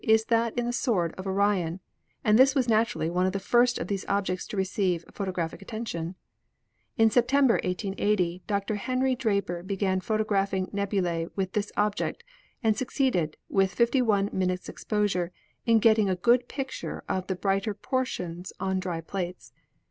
is that in the sword of Orion, and this was naturally one of the first of these objects to receive photographic attention. In September, 1880, Dr. Henry Draper began photo graphing nebulae with this object, and succeeded, with 51 minutes exposure, in getting a good picture of the brighter portions on dry plates.